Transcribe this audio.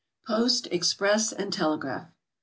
POST, EXPRESS AND TELEGRAPH.